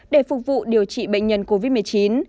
để phục vụ điều trị bệnh nhân covid một mươi chín